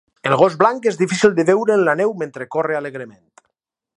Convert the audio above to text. El gos blanc és difícil de veure en la neu mentre corre alegrement.